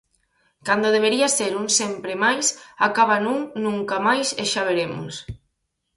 Cando debería ser un "Sempre máis" acaba nun "Nunca máis e xa veremos".